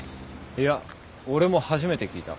いや俺も初めて聞いた。